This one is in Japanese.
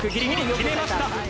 決めました。